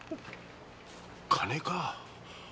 金か。